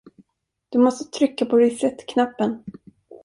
Du måste trycka på resetknappen.